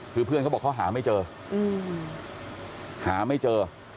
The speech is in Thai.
คือเพื่อนเขาบอกเขาหาไม่เจอหาไม่เจอ